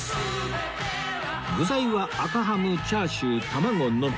具材は赤ハムチャーシュー卵のみ